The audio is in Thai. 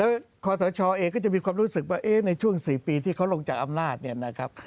แล้วคอสชเองก็จะมีความรู้สึกว่าในช่วง๔ปีที่เขาลงจากอำนาจเนี่ยนะครับ